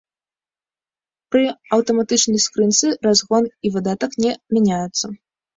Пры аўтаматычнай скрынцы разгон і выдатак не мяняюцца.